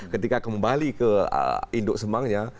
ketika kembali ke induk semangnya